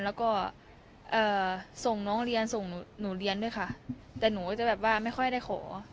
แล้วก็ส่งน้องเรียนส่งหนูเรียนด้วยค่ะแต่หนูก็จะแบบว่าไม่ค่อยได้ขอ